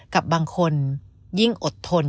กับบางคนยิ่งอดทน